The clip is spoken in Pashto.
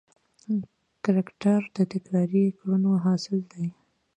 کرکټر د تکراري کړنو حاصل دی.